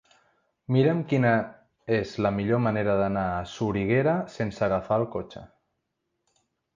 Mira'm quina és la millor manera d'anar a Soriguera sense agafar el cotxe.